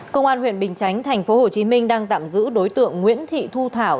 công an huyện bình chánh tp hcm đang tạm giữ đối tượng nguyễn thị thu thảo